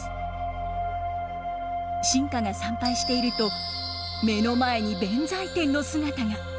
臣下が参拝していると目の前に弁財天の姿が。